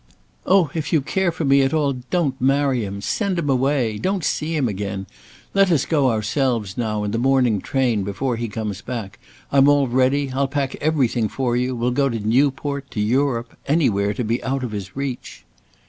Oh, if you care for me at all, don't marry him! Send him away! don't see him again! let us go ourselves, now, in the morning train, before he comes back. I'm all ready; I'll pack everything for you; we'll go to Newport; to Europe anywhere, to be out of his reach!"